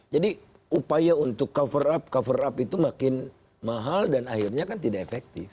jadi upaya untuk cover up cover up itu makin mahal dan akhirnya kan tidak efektif